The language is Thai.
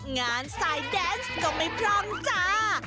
งานสายแดนส์ก็ไม่พร่องจ้า